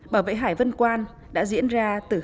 bảo vệ hải vân quan đã diễn ra từ hơn hai mươi năm trước